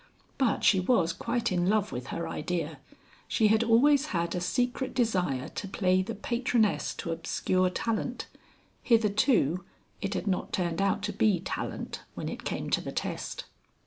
But she was quite in love with her idea she had always had a secret desire to play the patroness to obscure talent. Hitherto it had not turned out to be talent when it came to the test.